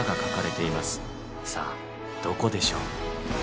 さあどこでしょう？